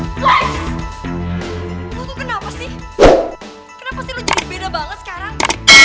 kenapa sih lo jadi beda banget sekarang